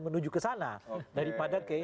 menuju ke sana daripada